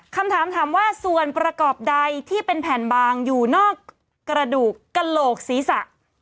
คำถามถามว่าส่วนประกอบใดที่เป็นแผ่นบางอยู่นอกกระดูกกระโหลกศีรษะ